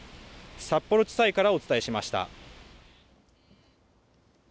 札幌地裁からお伝えしました。